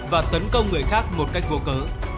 và tấn công người khác một cách vô cớ